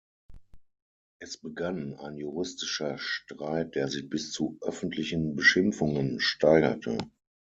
Es begann ein juristischer Streit, der sich bis zu öffentlichen Beschimpfungen steigerte.